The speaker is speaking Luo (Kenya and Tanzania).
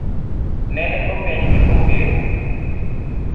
Nene openj Kipokeo.